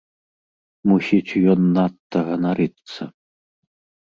Мусіць, ён надта ганарыцца.